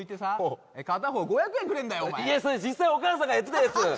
いやそれ実際お母さんがやってたやつ！